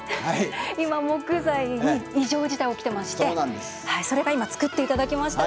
今、木材に異常事態が起きていましてそれが今作っていただきました